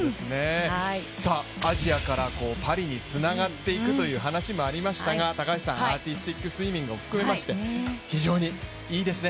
アジアからパリにつながっていくという話もありましたがアーティスティックスイミングを含めまして非常にいいですね。